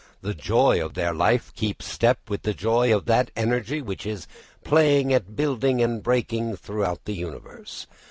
The joy of their life keeps step with the joy of that energy which is playing at building and breaking throughout the universe.